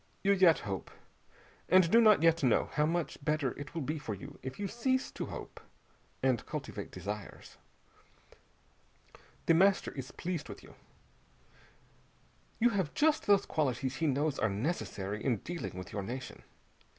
You yet hope, and do not yet know how much better it will be for you if you cease to hope, and cultivate desires! The Master is pleased with you. You have just those qualities he knows are necessary in dealing with your nation.